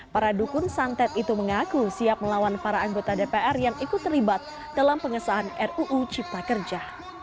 para dukun santet itu mengaku siap melawan para anggota dpr yang ikut terlibat dalam pengesahan ruu cipta kerja